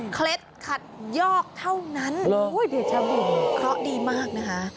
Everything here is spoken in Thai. เคล็ดขัดยอกเท่านั้นโอ้โฮเด็ดชะบุ๋ยเค้าดีมากนะคะ